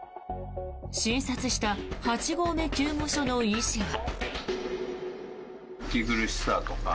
診察した八合目救護所の医師は。